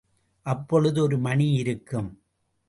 அப்போழுது ஒரு மணி இருக்கும்.